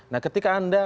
nah ketika anda